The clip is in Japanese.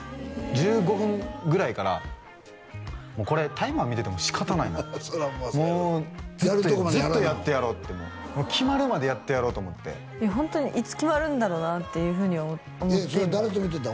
１５分ぐらいからもうこれタイマー見てても仕方ないなってもうずっとやってやろうってもう決まるまでやってやろうと思ってホントにいつ決まるんだろうな？って思ってそれ誰と見てたん？